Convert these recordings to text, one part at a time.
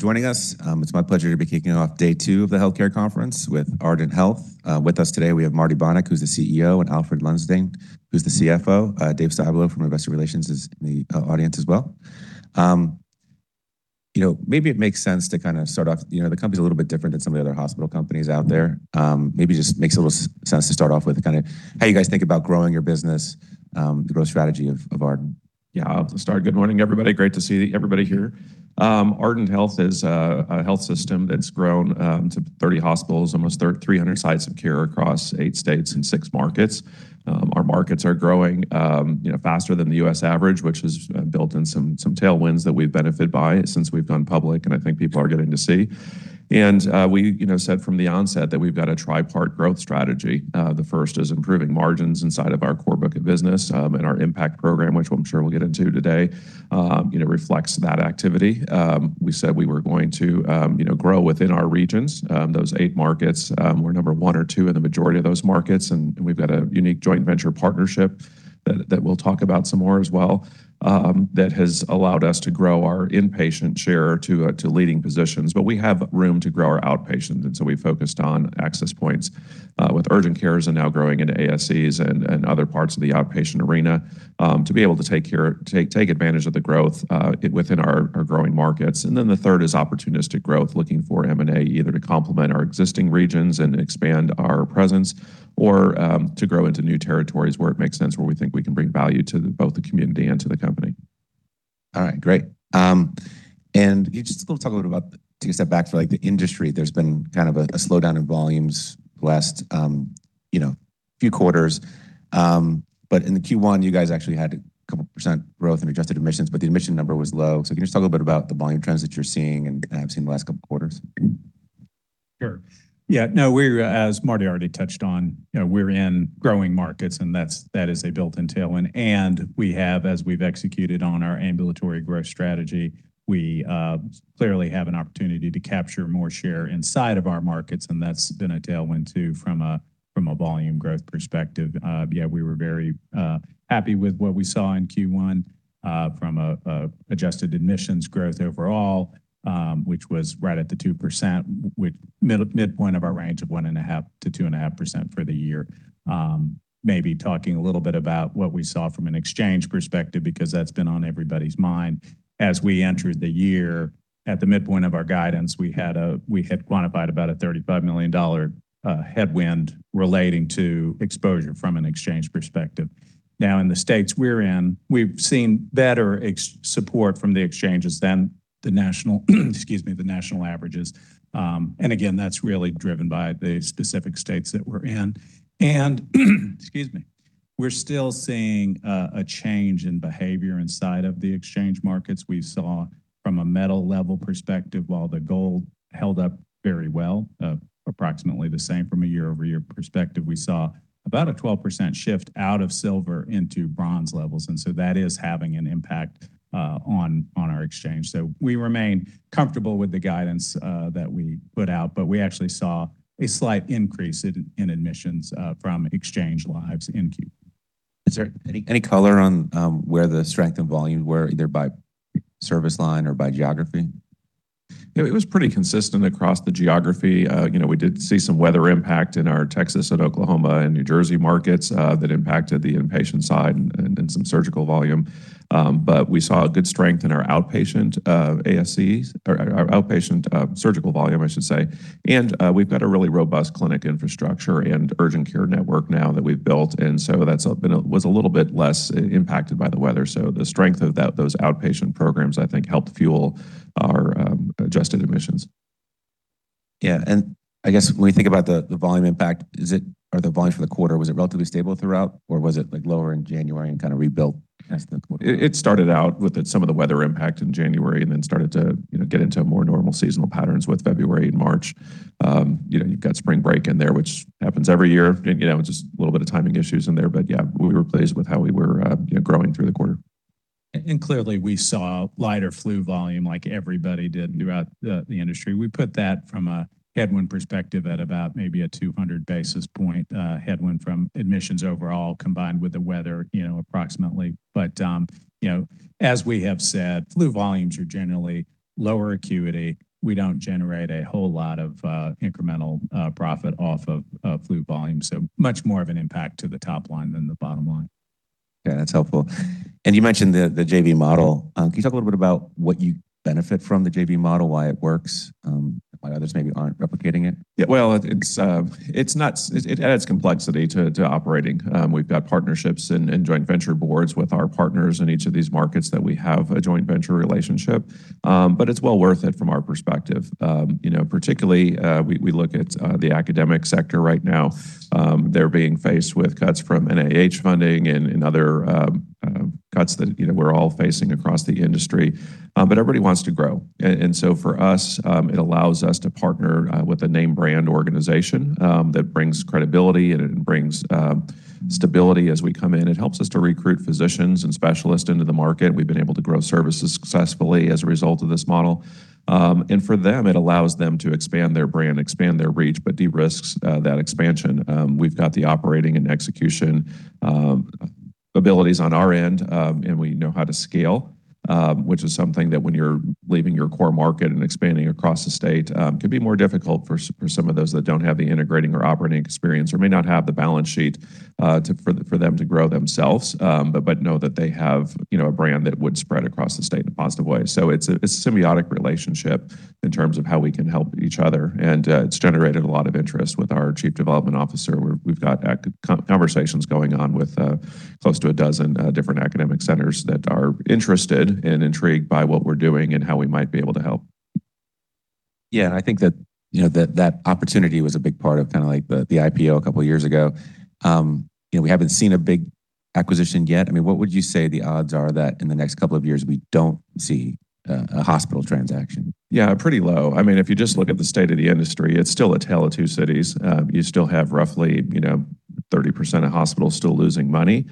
For joining us. It's my pleasure to be kicking off day two of the healthcare conference with Ardent Health. With us today, we have Marty Bonick, who's the CEO, and Alfred Lumsdaine, who's the CFO. Dave Barnes from Investor Relations is in the audience as well. You know, maybe it makes sense to kind of start off, you know, the company's a little bit different than some of the other hospital companies out there. Maybe just makes a little sense to start off with kind of how you guys think about growing your business, the growth strategy of Ardent. Yeah. I'll start. Good morning, everybody. Great to see everybody here. Ardent Health is a health system that's grown to 30 hospitals, almost 300 sites of care across eight states and six markets. Our markets are growing, you know, faster than the U.S. average, which has built in some tailwinds that we've benefited by since we've gone public, and I think people are getting to see. We, you know, said from the onset that we've got a tripart growth strategy. The first is improving margins inside of our core book of business, and our IMPACT program, which I'm sure we'll get into today, you know, reflects that activity. We said we were going to, you know, grow within our regions. Those eight markets, we're number one or two in the majority of those markets, and we've got a unique joint venture partnership that we'll talk about some more as well, that has allowed us to grow our inpatient share to leading positions. We have room to grow our outpatient, we focused on access points with urgent cares and now growing into ASCs and other parts of the outpatient arena to be able to take advantage of the growth within our growing markets. The third is opportunistic growth, looking for M&A either to complement our existing regions and expand our presence or to grow into new territories where it makes sense where we think we can bring value to both the community and to the company. All right. Great. Just talk a little about, take a step back for, like, the industry. There's been kind of a slowdown in volumes last, you know, few quarters. In the Q1, you guys actually had a couple percent growth in adjusted admissions, but the admission number was low. Can you just talk a little bit about the volume trends that you're seeing and have seen the last couple quarters? Sure. Yeah, no, we're, as Marty already touched on, you know, we're in growing markets, that's, that is a built-in tailwind. We have, as we've executed on our ambulatory growth strategy, we clearly have an opportunity to capture more share inside of our markets, and that's been a tailwind too from a volume growth perspective. Yeah, we were very happy with what we saw in Q1 from adjusted admissions growth overall, which was right at the 2%, which midpoint of our range of 1.5%-2.5% for the year. Maybe talking a little bit about what we saw from an exchange perspective because that's been on everybody's mind. As we entered the year, at the midpoint of our guidance, we had quantified about a $35 million headwind relating to exposure from an exchange perspective. In the states we're in, we've seen better support from the exchanges than the national averages. That's really driven by the specific states that we're in. We're still seeing a change in behavior inside of the exchange markets. We saw from a metal level perspective, while the gold held up very well, approximately the same from a year-over-year perspective, we saw about a 12% shift out of silver into bronze levels. That is having an impact on our exchange. We remain comfortable with the guidance that we put out, but we actually saw a slight increase in admissions from exchange lives in Q1. Is there any color on where the strength and volume were, either by service line or by geography? You know, it was pretty consistent across the geography. You know, we did see some weather impact in our Texas and Oklahoma and New Jersey markets that impacted the inpatient side and some surgical volume. We saw a good strength in our outpatient ASCs or our outpatient surgical volume, I should say. We've got a really robust clinic infrastructure and urgent care network now that we've built, that's been was a little bit less impacted by the weather. The strength of that, those outpatient programs, I think, helped fuel our adjusted admissions. Yeah. I guess when we think about the volume impact, are the volumes for the quarter, was it relatively stable throughout, or was it, like, lower in January and kind of rebuilt as the quarter went on? It started out with some of the weather impact in January and then started to, you know, get into more normal seasonal patterns with February and March. You know, you've got spring break in there, which happens every year. You know, just a little bit of timing issues in there, but yeah, we were pleased with how we were, you know, growing through the quarter. Clearly, we saw lighter flu volume like everybody did throughout the industry. We put that from a headwind perspective at about maybe a 200 basis point headwind from admissions overall combined with the weather, you know, approximately. You know, as we have said, flu volumes are generally lower acuity. We don't generate a whole lot of incremental profit off of flu volume, so much more of an impact to the top line than the bottom line. Yeah, that's helpful. You mentioned the JV model. Can you talk a little bit about what you benefit from the JV model, why it works, why others maybe aren't replicating it? Yeah. Well, it's, it adds complexity to operating. We've got partnerships and joint venture boards with our partners in each of these markets that we have a joint venture relationship. It's well worth it from our perspective. You know, particularly, we look at the academic sector right now. They're being faced with cuts from NIH funding and other cuts that, you know, we're all facing across the industry. Everybody wants to grow. For us, it allows us to partner with a name brand organization that brings credibility, and it brings stability as we come in. It helps us to recruit physicians and specialists into the market. We've been able to grow services successfully as a result of this model. For them, it allows them to expand their brand, expand their reach, but de-risks that expansion. We've got the operating and execution abilities on our end, and we know how to scale, which is something that when you're leaving your core market and expanding across the state, could be more difficult for some of those that don't have the integrating or operating experience or may not have the balance sheet for them to grow themselves. But know that they have, you know, a brand that would spread across the state in a positive way. It's a, it's a symbiotic relationship in terms of how we can help each other, and it's generated a lot of interest with our chief development officer. We've got conversations going on with close to 12 different academic centers that are interested and intrigued by what we're doing and how we might be able to help. I think that, you know, that opportunity was a big part of kinda like the IPO two years ago. You know, we haven't seen a big acquisition yet. I mean, what would you say the odds are that in the next two years we don't see a hospital transaction? Yeah, pretty low. I mean, if you just look at the state of the industry, it's still a tale of two cities. You still have roughly, you know, 30% of hospitals still losing money.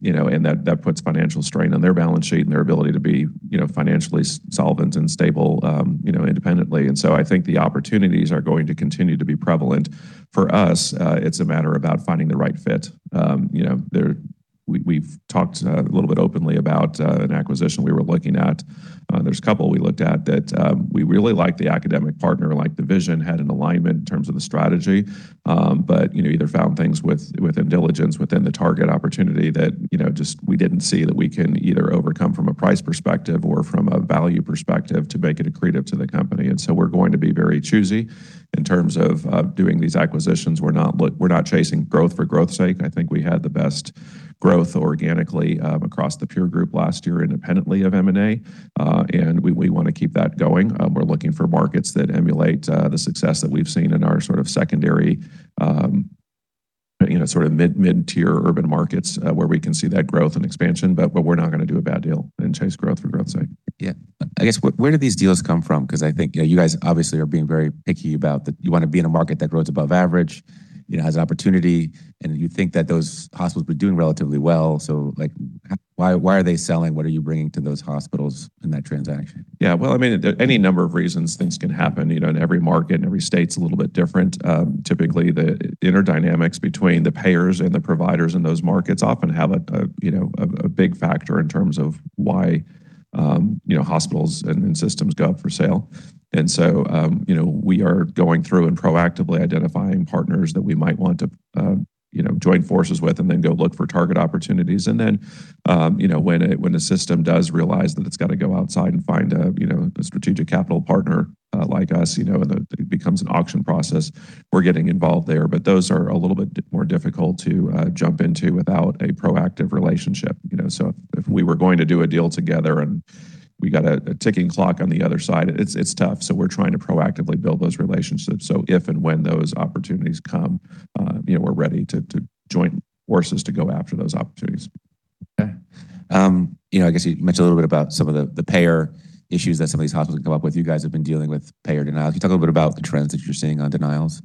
You know, that puts financial strain on their balance sheet and their ability to be, you know, financially solvent and stable, you know, independently. I think the opportunities are going to continue to be prevalent. For us, it's a matter about finding the right fit. You know, we've talked a little bit openly about an acquisition we were looking at. There's a couple we looked at that we really liked the academic partner, liked the vision, had an alignment in terms of the strategy. You know, either found things within diligence, within the target opportunity that, you know, just we didn't see that we can either overcome from a price perspective or from a value perspective to make it accretive to the company. We're going to be very choosy in terms of doing these acquisitions. We're not chasing growth for growth's sake. I think we had the best growth organically across the peer group last year independently of M&A, and we wanna keep that going. We're looking for markets that emulate the success that we've seen in our sort of secondary, you know, sort of mid-tier urban markets, where we can see that growth and expansion, but we're not gonna do a bad deal and chase growth for growth's sake. Yeah. I guess where do these deals come from? 'Cause I think, you know, you guys obviously are being very picky. You wanna be in a market that grows above average, you know, has opportunity, and you think that those hospitals were doing relatively well. Like, why are they selling? What are you bringing to those hospitals in that transaction? Yeah. Well, I mean, any number of reasons things can happen. You know, every market and every state's a little bit different. Typically the interdynamics between the payers and the providers in those markets often have a, you know, a big factor in terms of why, you know, hospitals and systems go up for sale. You know, we are going through and proactively identifying partners that we might want to, you know, join forces with and then go look for target opportunities. You know, when a system does realize that it's gotta go outside and find a, you know, a strategic capital partner, like us, you know, and it becomes an auction process, we're getting involved there. Those are a little bit more difficult to jump into without a proactive relationship. You know, if we were going to do a deal together and we got a ticking clock on the other side, it's tough. We're trying to proactively build those relationships, so if and when those opportunities come, you know, we're ready to join forces to go after those opportunities. Okay. You know, I guess you mentioned a little bit about some of the payer issues that some of these hospitals have come up with. You guys have been dealing with payer denial. Can you talk a little bit about the trends that you're seeing on denials?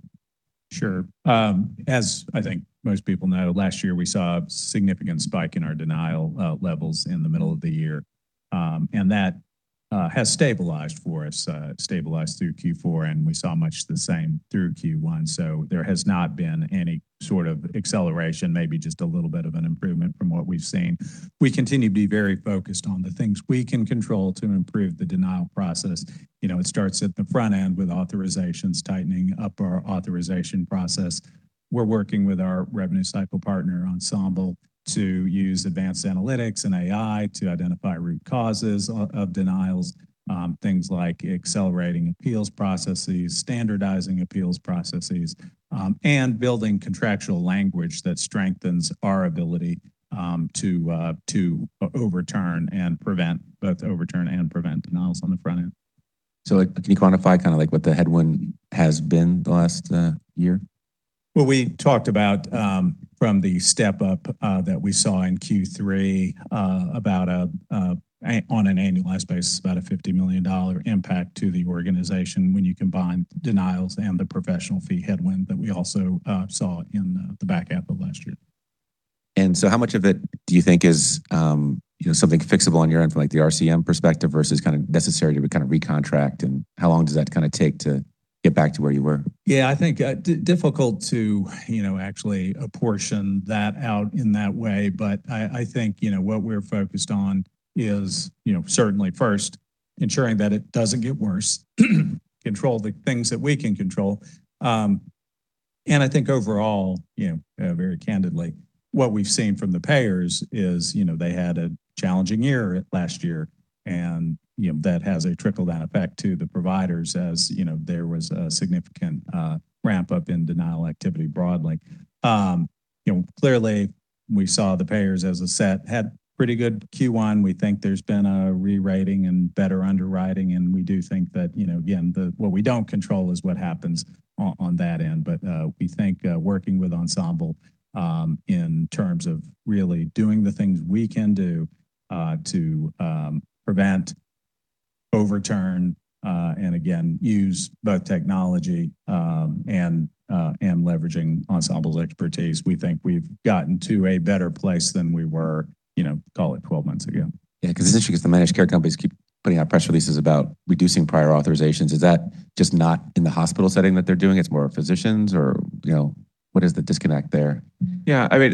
Sure. As I think most people know, last year we saw a significant spike in our denial levels in the middle of the year. That has stabilized for us, stabilized through Q4, and we saw much the same through Q1. There has not been any sort of acceleration, maybe just a little bit of an improvement from what we've seen. We continue to be very focused on the things we can control to improve the denial process. You know, it starts at the front end with authorizations, tightening up our authorization process. We're working with our revenue cycle partner, Ensemble, to use advanced analytics and AI to identify root causes of denials, things like accelerating appeals processes, standardizing appeals processes, and building contractual language that strengthens our ability, to overturn and prevent, both overturn and prevent denials on the front end. like, can you quantify kinda like what the headwind has been the last year? We talked about, from the step-up that we saw in Q3, on an annualized basis, about a $50 million impact to the organization when you combine denials and the professional fee headwind that we also saw in the back half of last year. How much of it do you think is, you know, something fixable on your end from like the RCM perspective versus kinda necessary to kinda recontract, and how long does that kinda take to get back to where you were? I think, difficult to, you know, actually apportion that out in that way. I think, you know, what we're focused on is, you know, certainly first ensuring that it doesn't get worse, control the things that we can control. I think overall, you know, very candidly, what we've seen from the payers is, you know, they had a challenging year last year, that has a trickle-down effect to the providers as, you know, there was a significant ramp-up in denial activity broadly. You know, clearly we saw the payers as a set had pretty good Q1. We think there's been a rewriting and better underwriting, we do think that, you know, again, what we don't control is what happens on that end. We think working with Ensemble in terms of really doing the things we can do to prevent, overturn, and again, use both technology and leveraging Ensemble's expertise, we think we've gotten to a better place than we were, you know, call it 12 months ago. Yeah, 'cause this issue, the managed care companies keep putting out press releases about reducing prior authorizations. Is that just not in the hospital setting that they're doing? It's more physicians or, you know, what is the disconnect there? I mean,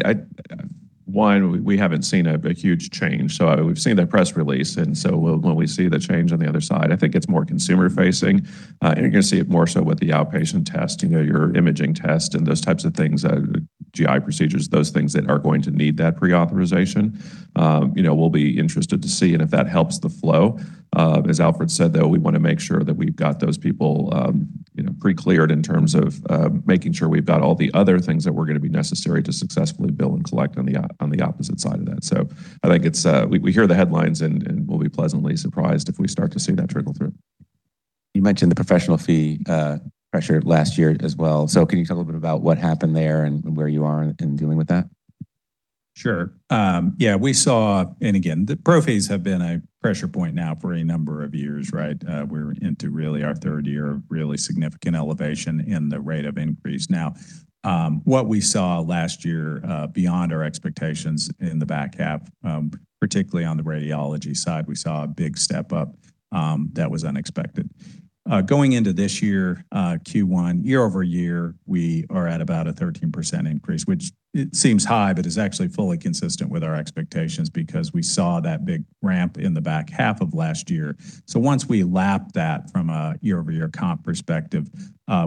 we haven't seen a huge change. We've seen the press release, when we see the change on the other side, I think it's more consumer facing. You're going to see it more so with the outpatient test, you know, your imaging test and those types of things, GI procedures, those things that are going to need that pre-authorization. You know, we'll be interested to see and if that helps the flow. As Alfred said, though, we want to make sure that we've got those people, you know, pre-cleared in terms of making sure we've got all the other things that were going to be necessary to successfully bill and collect on the opposite side of that. I think it's, we hear the headlines and we'll be pleasantly surprised if we start to see that trickle through. You mentioned the professional fee pressure last year as well. Can you talk a little bit about what happened there and where you are in dealing with that? Sure. We saw, and again, the pro fees have been a pressure point now for a number of years, right? We're into really our 3rd year of really significant elevation in the rate of increase. What we saw last year, beyond our expectations in the back half, particularly on the radiology side, we saw a big step up, that was unexpected. Going into this year, Q1, year-over-year, we are at about a 13% increase, which it seems high, but is actually fully consistent with our expectations because we saw that big ramp in the back half of last year. Once we lap that from a year-over-year comp perspective,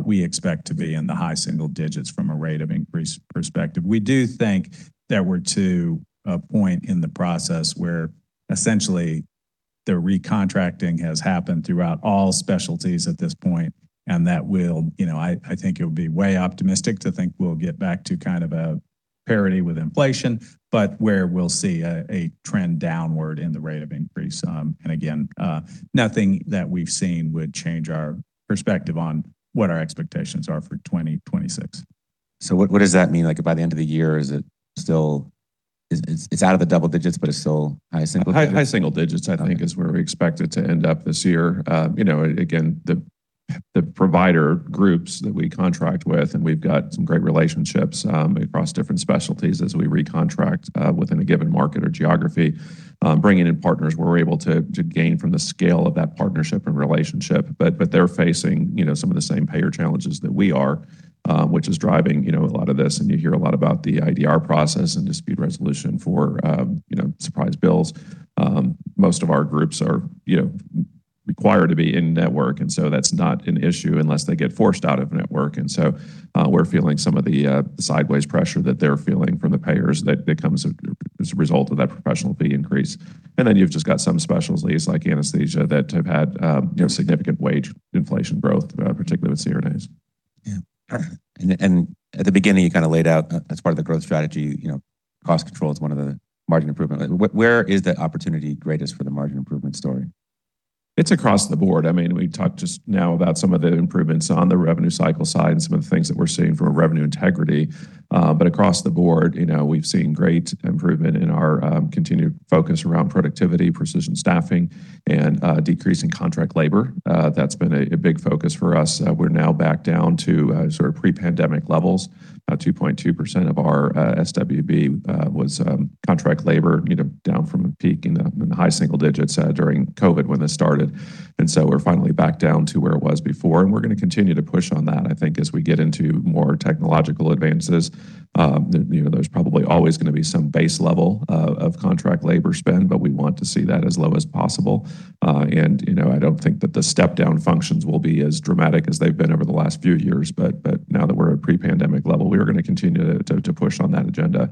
we expect to be in the high single digits from a rate of increase perspective. We do think that we're to a point in the process where essentially the recontracting has happened throughout all specialties at this point, and that will, you know, I think it would be way optimistic to think we'll get back to kind of a parity with inflation, but where we'll see a trend downward in the rate of increase. Again, nothing that we've seen would change our perspective on what our expectations are for 2026. What does that mean? Like, by the end of the year, is it still out of the double digits, but it's still high single digits? High single digits, I think, is where we expect it to end up this year. You know, again, the provider groups that we contract with, and we've got some great relationships, across different specialties as we recontract, within a given market or geography, bringing in partners we're able to gain from the scale of that partnership and relationship. They're facing, you know, some of the same payer challenges that we are, which is driving, you know, a lot of this, and you hear a lot about the IDR process and dispute resolution for, you know, surprise bills. Most of our groups are, you know, required to be in network, and so that's not an issue unless they get forced out of network. We're feeling some of the sideways pressure that they're feeling from the payers that becomes as a result of that professional fee increase. You've just got some specialties like anesthesia that have had, you know, significant wage inflation growth, particularly with CRNAs. Yeah. At the beginning, you kinda laid out as part of the growth strategy, you know, cost control is one of the margin improvement. Where is the opportunity greatest for the margin improvement story? It's across the board. I mean, we talked just now about some of the improvements on the revenue cycle side and some of the things that we're seeing from a revenue integrity. Across the board, you know, we've seen great improvement in our continued focus around productivity, precision staffing, and decreasing contract labor. That's been a big focus for us. We're now back down to sort of pre-pandemic levels. 2.2% of our SWB was contract labor, you know, down from a peak in the high single digits during COVID when this started. We're finally back down to where it was before, and we're gonna continue to push on that, I think, as we get into more technological advances. You know, there's probably always gonna be some base level of contract labor spend, but we want to see that as low as possible. You know, I don't think that the step-down functions will be as dramatic as they've been over the last few years. Now that we're at pre-pandemic level, we are gonna continue to push on that agenda.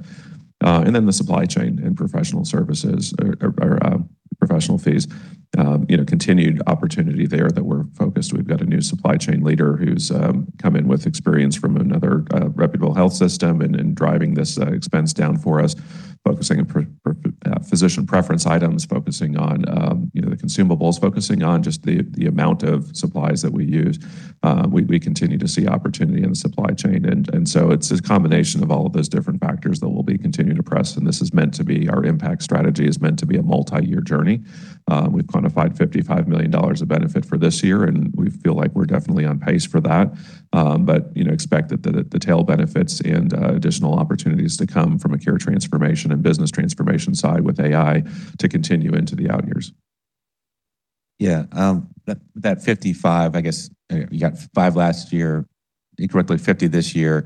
Then the supply chain and professional services or professional fees, you know, continued opportunity there that we're focused. We've got a new supply chain leader who's come in with experience from another reputable health system and driving this expense down for us, focusing on physician preference items, focusing on, you know, the consumables, focusing on just the amount of supplies that we use. We continue to see opportunity in the supply chain. It's this combination of all of those different factors that we'll be continuing to press, our IMPACT strategy is meant to be a multi-year journey. We've quantified $55 million of benefit for this year, and we feel like we're definitely on pace for that. You know, expect that the tail benefits and additional opportunities to come from a care transformation and business transformation side with AI to continue into the out years. Yeah, that 55, I guess, you know, you got five last year, and currently 50 this year.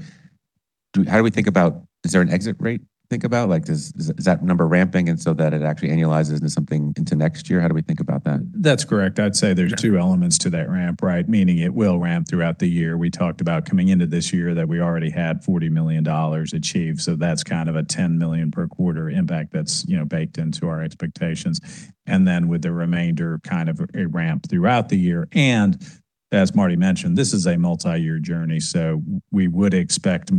How do we think about, is there an exit rate to think about? Like, is that number ramping and so that it actually annualizes into something into next year? How do we think about that? That's correct. I'd say there's two elements to that ramp, right? Meaning it will ramp throughout the year. We talked about coming into this year that we already had $40 million achieved, so that's kind of a $10 million per quarter IMPACT that's, you know, baked into our expectations. Then with the remainder kind of a ramp throughout the year. As Marty mentioned, this is a multi-year journey, so we would expect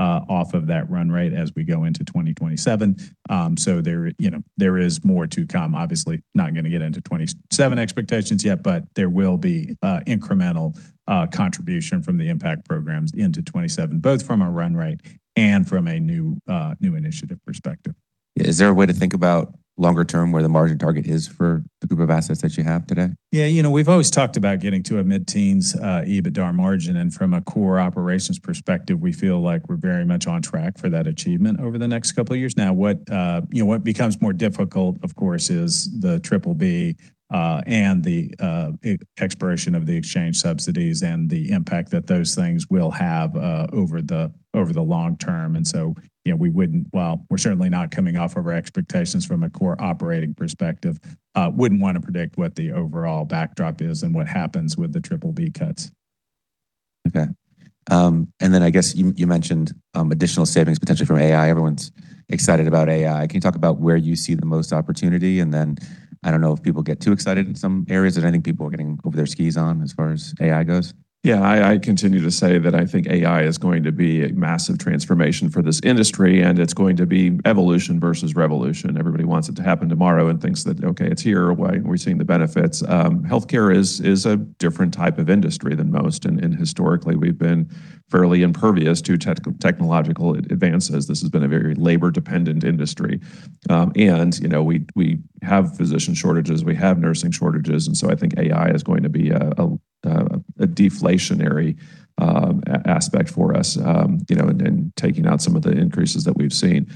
more off of that run rate as we go into 2027. So there, you know, there is more to come. Obviously, not gonna get into 2027 expectations yet, but there will be incremental contribution from the IMPACT programs into 2027, both from a run rate and from a new initiative perspective. Is there a way to think about longer term where the margin target is for the group of assets that you have today? Yeah, you know, we've always talked about getting to a mid-teens EBITDA margin. From a core operations perspective, we feel like we're very much on track for that achievement over the next couple of years. Now, what, you know, what becomes more difficult, of course, is the BBB, and the expiration of the exchange subsidies and the impact that those things will have over the, over the long term. You know, while we're certainly not coming off of our expectations from a core operating perspective, wouldn't wanna predict what the overall backdrop is and what happens with the BBB cuts. Okay. I guess you mentioned, additional savings potentially from AI. Everyone's excited about AI. Can you talk about where you see the most opportunity? I don't know if people get too excited in some areas that I think people are getting over their skis on as far as AI goes. Yeah, I continue to say that I think AI is going to be a massive transformation for this industry, and it's going to be evolution versus revolution. Everybody wants it to happen tomorrow and thinks that, okay, it's here. Why aren't we seeing the benefits? Healthcare is a different type of industry than most, and historically, we've been fairly impervious to technological advances. This has been a very labor-dependent industry. You know, we have physician shortages, we have nursing shortages, so I think AI is going to be a deflationary aspect for us, you know, in taking out some of the increases that we've seen.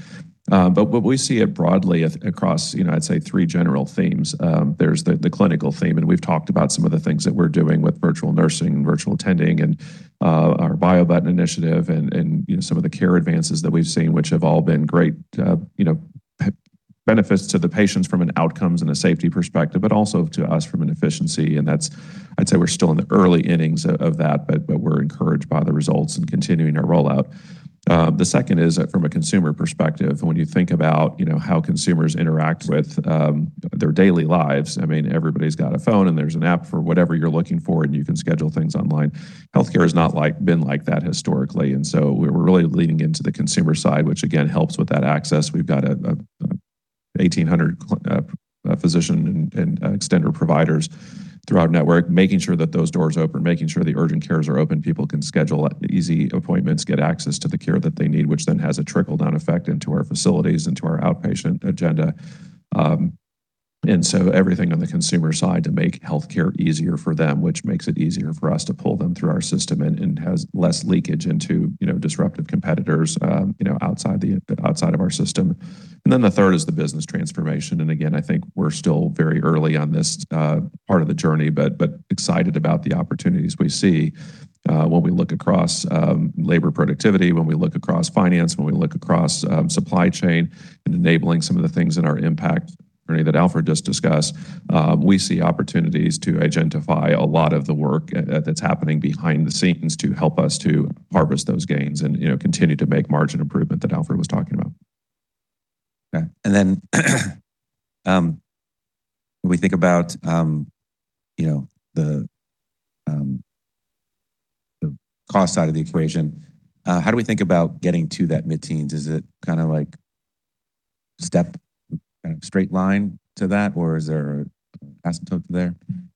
What we see it broadly across, you know, I'd say three general themes. There's the clinical theme. We've talked about some of the things that we're doing with virtual nursing, virtual attending, and our BioButton initiative and, you know, some of the care advances that we've seen, which have all been great, you know, benefits to the patients from an outcomes and a safety perspective, but also to us from an efficiency. That's, I'd say, we're still in the early innings of that, but we're encouraged by the results and continuing our rollout. The second is from a consumer perspective, when you think about, you know, how consumers interact with their daily lives. I mean, everybody's got a phone. There's an app for whatever you're looking for. You can schedule things online. Healthcare has not been like that historically. We're really leaning into the consumer side, which again, helps with that access. We've got a 1,800 physician and extender providers through our network, making sure that those doors open, making sure the urgent cares are open. People can schedule easy appointments, get access to the care that they need, which then has a trickle-down effect into our facilities, into our outpatient agenda. Everything on the consumer side to make healthcare easier for them, which makes it easier for us to pull them through our system and has less leakage into, you know, disruptive competitors, you know, outside of our system. The third is the business transformation. Again, I think we're still very early on this part of the journey, but excited about the opportunities we see when we look across labor productivity, when we look across finance, when we look across supply chain and enabling some of the things in our IMPACT journey that Alfred just discussed. We see opportunities to identify a lot of the work that's happening behind the scenes to help us to harvest those gains and, you know, continue to make margin improvement that Alfred was talking about. Okay. Then, when we think about, you know, the cost side of the equation, how do we think about getting to that mid-teens? Is it kind of like step straight line to that, or is there an asymptote there?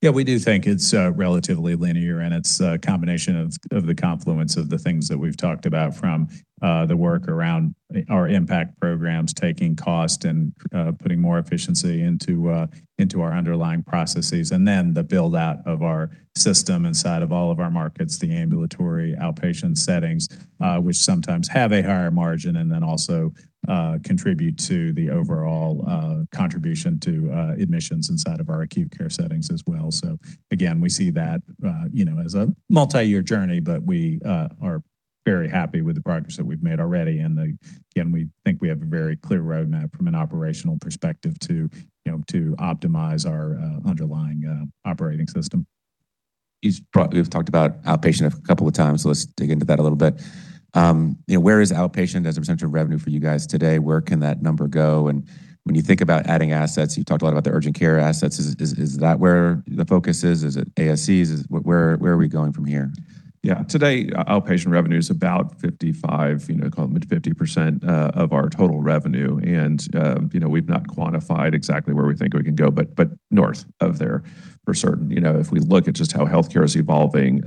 Yeah, we do think it's relatively linear, and it's a combination of the confluence of the things that we've talked about from the work around our IMPACT programs, taking cost and putting more efficiency into our underlying processes, and then the build-out of our system inside of all of our markets, the ambulatory outpatient settings, which sometimes have a higher margin and then also contribute to the overall contribution to admissions inside of our acute care settings as well. Again, we see that, you know, as a multi-year journey, but we are very happy with the progress that we've made already. Again, we think we have a very clear roadmap from an operational perspective to, you know, to optimize our underlying operating system. We've talked about outpatient a couple of times. Let's dig into that a little bit. You know, where is outpatient as a percent of revenue for you guys today? Where can that number go? When you think about adding assets, you talked a lot about the urgent care assets. Is that where the focus is? Is it ASCs? Where are we going from here? Yeah. Today, outpatient revenue is about 55, you know, call it 50%, of our total revenue. You know, we've not quantified exactly where we think we can go, but north of there for certain. You know, if we look at just how healthcare is evolving,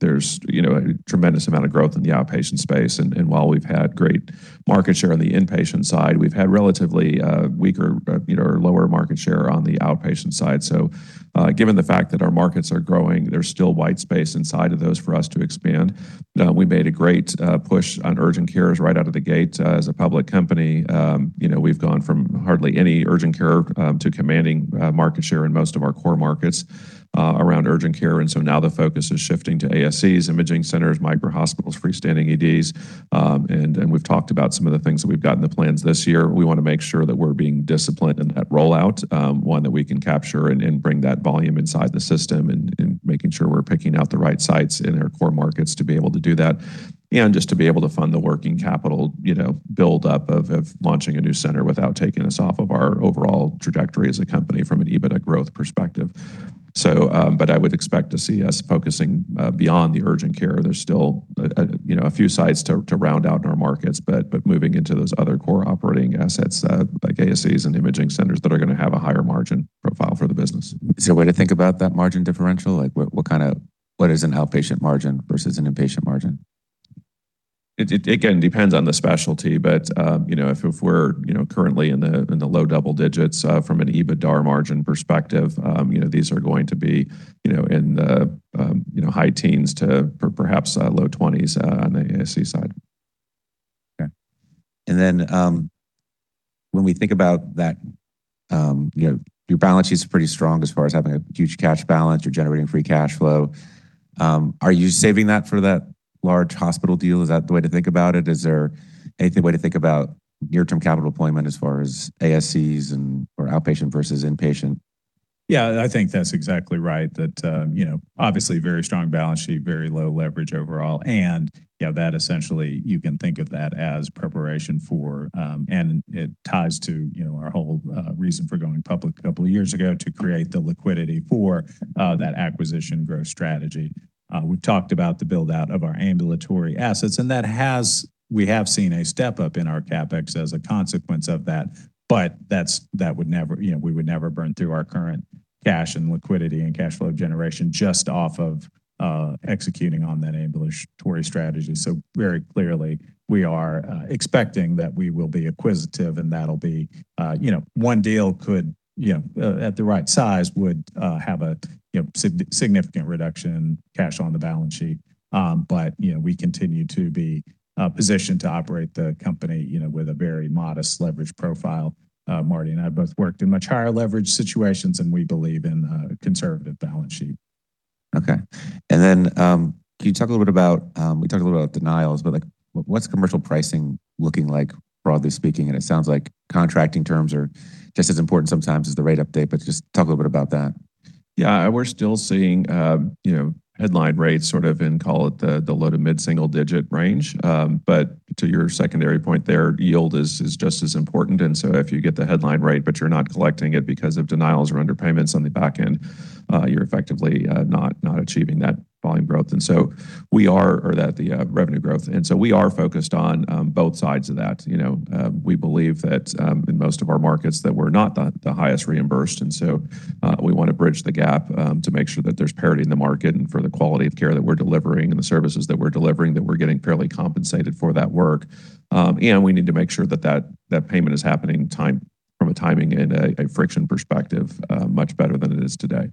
there's, you know, a tremendous amount of growth in the outpatient space. While we've had great market share on the inpatient side, we've had relatively weaker, you know, or lower market share on the outpatient side. Given the fact that our markets are growing, there's still white space inside of those for us to expand. We made a great push on urgent cares right out of the gate. As a public company, you know, we've gone from hardly any urgent care to commanding market share in most of our core markets around urgent care. Now the focus is shifting to ASCs, imaging centers, micro-hospitals, freestanding EDs. We've talked about some of the things that we've got in the plans this year. We wanna make sure that we're being disciplined in that rollout, one that we can capture and bring that volume inside the system and making sure we're picking out the right sites in our core markets to be able to do that and just to be able to fund the working capital, you know, build-up of launching a new center without taking us off of our overall trajectory as a company from an EBITDA growth perspective. I would expect to see us focusing beyond the urgent care. There's still, you know, a few sites to round out in our markets, but moving into those other core operating assets, like ASCs and imaging centers that are gonna have a higher margin profile for the business. Is there a way to think about that margin differential? Like what is an outpatient margin versus an inpatient margin? It again depends on the specialty, but, you know, if we're, you know, currently in the, in the low double digits, from an EBITDAR margin perspective, you know, these are going to be, you know, in the, you know, high teens to perhaps, low 20s, on the ASC side. Okay. When we think about that, you know, your balance sheet's pretty strong as far as having a huge cash balance. You're generating free cash flow. Are you saving that for that large hospital deal? Is that the way to think about it? Is there any way to think about near-term capital deployment as far as ASCs and/or outpatient versus inpatient? Yeah, I think that's exactly right that, you know, obviously very strong balance sheet, very low leverage overall. You know, that essentially you can think of that as preparation for, and it ties to, you know, our whole, reason for going public two years ago to create the liquidity for, that acquisition growth strategy. We talked about the build-out of our ambulatory assets, and we have seen a step-up in our CapEx as a consequence of that. That's, that would never, you know, we would never burn through our current cash and liquidity and cash flow generation just off of, executing on that ambulatory strategy. Very clearly we are expecting that we will be acquisitive and that'll be, you know, one deal could, you know, at the right size would have a, you know, significant reduction cash on the balance sheet. You know, we continue to be positioned to operate the company, you know, with a very modest leverage profile. Marty and I both worked in much higher leverage situations, and we believe in a conservative balance sheet. Okay. Can you talk a little bit about We talked a little about denials, but, like, what's commercial pricing looking like broadly speaking? It sounds like contracting terms are just as important sometimes as the rate update, but just talk a little bit about that. Yeah. We're still seeing, you know, headline rates sort of in, call it the low to mid-single-digit range. To your secondary point there, yield is just as important. If you get the headline rate but you're not collecting it because of denials or underpayments on the back end, you're effectively not achieving that volume growth, or that the revenue growth. We are focused on both sides of that. You know, we believe that in most of our markets that we're not the highest reimbursed, we want to bridge the gap to make sure that there's parity in the market and for the quality of care that we're delivering and the services that we're delivering, that we're getting fairly compensated for that work. We need to make sure that payment is happening time, from a timing and a friction perspective, much better than it is today.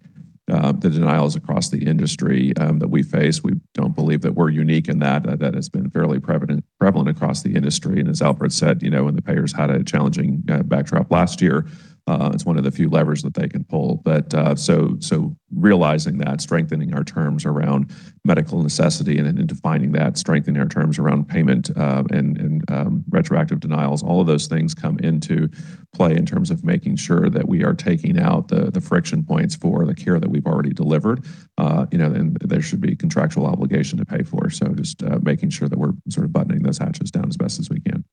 The denials across the industry that we face, we don't believe that we're unique in that. That has been fairly prevalent across the industry. As Alfred Lumsdaine said, you know, when the payers had a challenging backdrop last year, it's one of the few levers that they can pull. So realizing that, strengthening our terms around medical necessity and defining that, strengthening our terms around payment, and retroactive denials, all of those things come into play in terms of making sure that we are taking out the friction points for the care that we've already delivered, you know, and there should be a contractual obligation to pay for. Just making sure that we're sort of buttoning those hatches down as best as we can.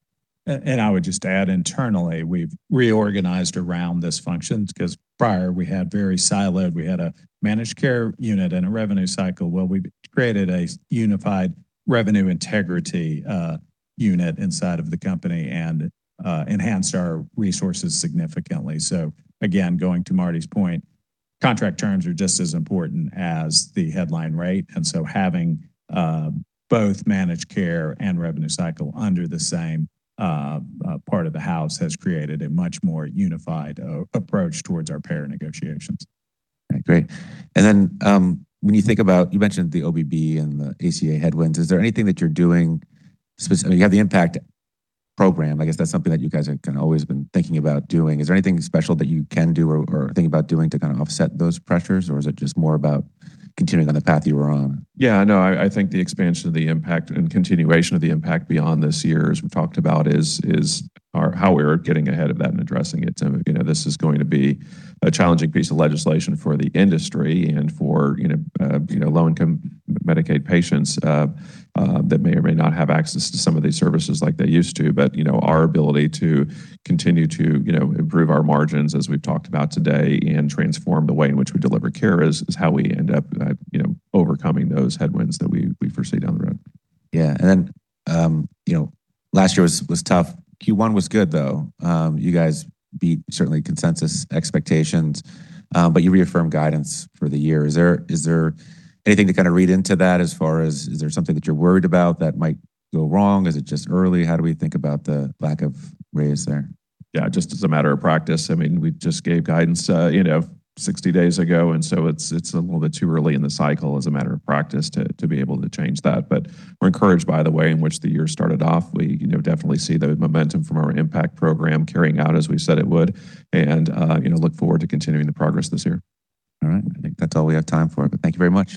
I would just add internally, we've reorganized around this function because prior we had very siloed. We had a managed care unit and a revenue cycle. We've created a unified revenue integrity unit inside of the company and enhanced our resources significantly. Again, going to Marty's point, contract terms are just as important as the headline rate, and having both managed care and revenue cycle under the same part of the house has created a much more unified approach towards our payer negotiations. Okay, great. When you mentioned the OBB and the ACA headwinds. Is there anything that you're doing? You have the IMPACT program. I guess that's something that you guys have kinda always been thinking about doing. Is there anything special that you can do or are thinking about doing to kind of offset those pressures, or is it just more about continuing on the path you were on? No, I think the expansion of the IMPACT and continuation of the IMPACT beyond this year, as we've talked about, is how we're getting ahead of that and addressing it. You know, this is going to be a challenging piece of legislation for the industry and for, you know, low-income Medicaid patients that may or may not have access to some of these services like they used to. You know, our ability to continue to, you know, improve our margins as we've talked about today and transform the way in which we deliver care is how we end up, you know, overcoming those headwinds that we foresee down the road. Yeah. you know, last year was tough. Q1 was good, though. you guys beat certainly consensus expectations, but you reaffirmed guidance for the year. Is there anything to kind of read into that as far as is there something that you're worried about that might go wrong? Is it just early? How do we think about the lack of raise there? Yeah, just as a matter of practice, I mean, we just gave guidance, you know, 60 days ago, and so it's a little bit too early in the cycle as a matter of practice to be able to change that. We're encouraged by the way in which the year started off. We, you know, definitely see the momentum from our IMPACT program carrying out as we said it would, and, you know, look forward to continuing the progress this year. All right. I think that's all we have time for, but thank you very much.